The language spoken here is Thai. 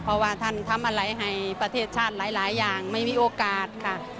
เพราะว่าท่านทำอะไรให้ประเทศชาติหลายอย่างไม่มีโอกาสค่ะ